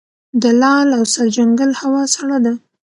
د لعل او سرجنګل هوا سړه ده